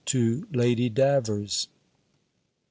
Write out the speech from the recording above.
to Lady Davers_.